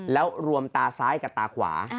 แล้วรวมตาซ้ายกับตาขวา